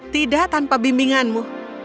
tidak tanpa bimbinganmu